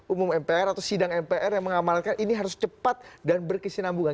umum mpr atau sidang mpr yang mengamalkan ini harus cepat dan berkesinambungan